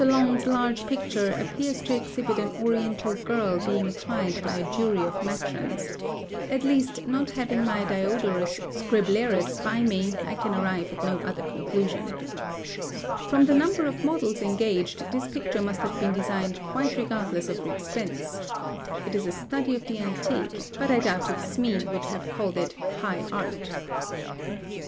Long's large picture appears to exhibit an Oriental girl being tried by a jury of matrons—at least, not having my Diodorus Scriblerus by me, I can arrive at no other conclusion. From the number of models engaged, this picture must have been designed quite regardless of expense. It is a study of the Antique, but I doubt if Smee would have called it High Art.